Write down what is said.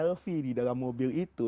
selfie di dalam mobil itu